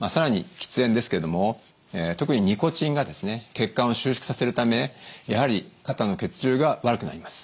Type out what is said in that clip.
血管を収縮させるためやはり肩の血流が悪くなります。